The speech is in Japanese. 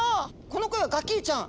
この声はガキィちゃん。